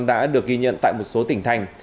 đã được ghi nhận tại một số tỉnh thành